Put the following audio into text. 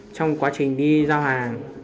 trong quá trình đi giao hàng